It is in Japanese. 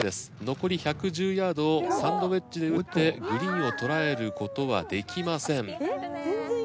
残り１１０ヤードをサンドウェッジで打ってグリーンを捉えることはできません。